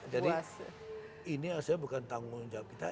jadi ini asalnya bukan tanggung jawab kita